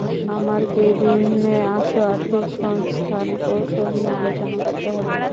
আমার কেবিনে আসো, আর্থিক সংস্থান কৌশল নিয়ে আলোচনা করতে হবে।